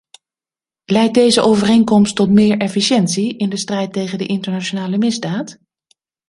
Leidt deze overeenkomst tot meer efficiëntie in de strijd tegen de internationale misdaad?